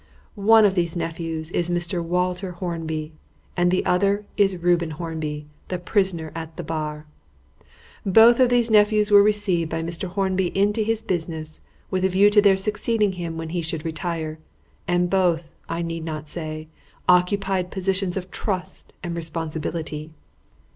One of these nephews is Mr. Walter Hornby, and the other is Reuben Hornby, the prisoner at the bar. Both of these nephews were received by Mr. Hornby into his business with a view to their succeeding him when he should retire, and both, I need not say, occupied positions of trust and responsibility.